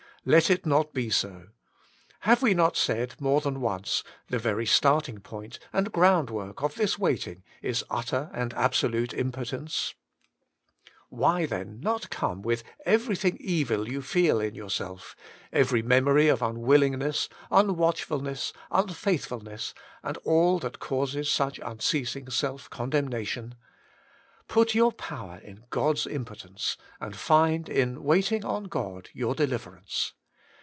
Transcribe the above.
Let it not be so. Have we not said more than once, the very starting point and groundwork of this waiting is utter and absolute impotence \ Why then not come with everything evil you feel in yourself, every memory of unwillingness, un watchfulness, unfaithfulness, and all that causes such unceasing self condemnation? Put your power in God's omnipotence, and find in waiting on God your deliverance.